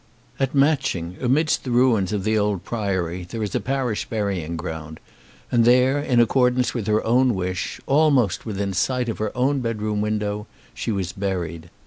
At Matching, amidst the ruins of the old Priory, there is a parish burying ground, and there, in accordance with her own wish, almost within sight of her own bedroom window, she was buried.